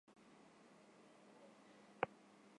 মশালটি অনেক বছরের সংগ্রামের পর অর্জিত স্বাধীনতার প্রতীক।